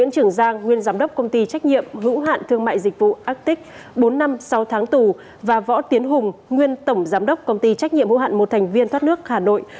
công ty trách nhiệm hữu hạn thương mại dịch vụ arctic bốn năm sáu tháng tù và võ tiến hùng nguyên tổng giám đốc công ty trách nhiệm hữu hạn một thành viên thoát nước hà nội